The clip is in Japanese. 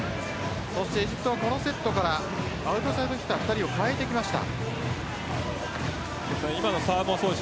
そして、エジプトはこのセットからアウトサイドヒッター２人を代えてきました。